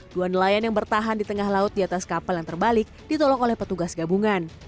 dua nelayan yang bertahan di tengah laut di atas kapal yang terbalik ditolong oleh petugas gabungan